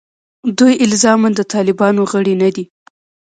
دوی الزاماً د طالبانو غړي نه دي.